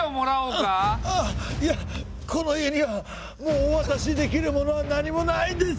あっいやこの家にはもうおわたしできるものは何もないんです。